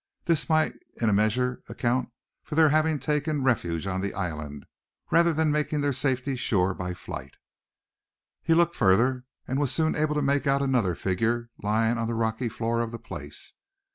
This might in a measure account for their having taken refuge on the island, rather than make their safety sure by flight. He looked further, and was soon able to make out another figure lying on the rocky floor of the place.